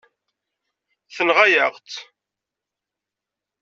Tenɣa-yaɣ-tt.